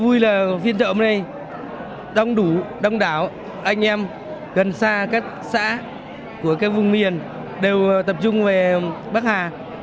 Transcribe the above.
vui là phiên chợ này đông đủ đông đảo anh em gần xa các xã của các vùng miền đều tập trung về bắc hà